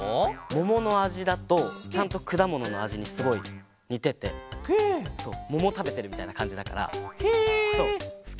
もものあじだとちゃんとくだもののあじにすごいにててももたべてるみたいなかんじだからすきなんだ。